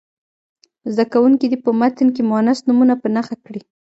زده کوونکي دې په متن کې مونث نومونه په نښه کړي.